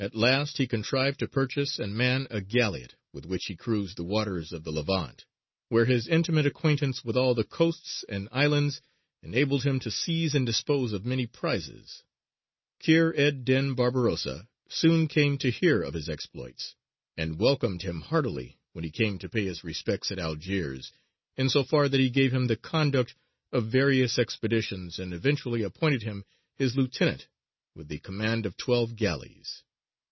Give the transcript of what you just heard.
At last he contrived to purchase and man a galleot, with which he cruised the waters of the Levant, where his intimate acquaintance with all the coasts and islands enabled him to seize and dispose of many prizes. Kheyr ed dīn Barbarossa soon came to hear of his exploits, and welcomed him heartily when he came to pay his respects at Algiers, in so far that he gave him the conduct of various expeditions and eventually appointed him his lieutenant with the command of twelve galleys.